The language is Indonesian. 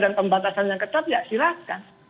dan pembatasan yang ketat ya silahkan